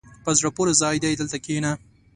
په زړه پورې ځای دی، دلته کښېنه.